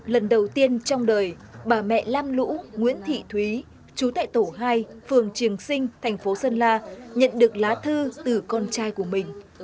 lần đầu tiên trong đời bà mẹ lam lũ nguyễn thị thúy chú tại tổ hai phường triềng sinh thành phố sơn la nhận được lá thư từ con trai của mình